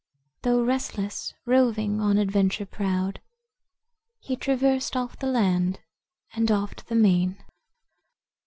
Though restless, roving on adventure proud, He traversed oft the land and oft the main."